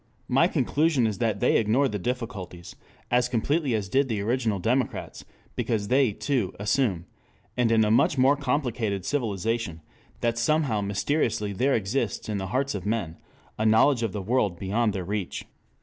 My conclusion is that they ignore the difficulties, as completely as did the original democrats, because they, too, assume, and in a much more complicated civilization, that somehow mysteriously there exists in the hearts of men a knowledge of the world beyond their reach.